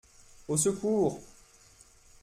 Au secours !